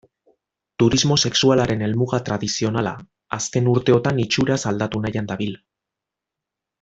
Turismo sexualaren helmuga tradizionala, azken urteotan itxuraz aldatu nahian dabil.